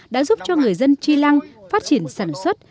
đã giúp cho người dân chi lăng phát triển sản xuất